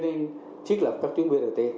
sẽ được giải phóng